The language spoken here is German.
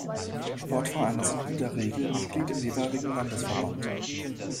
Sportvereine sind in der Regel Mitglied im jeweiligen Landesverband.